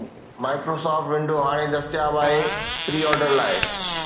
Microsoft Windows ھاڻي دستياب آھي پري آرڊر لاءِ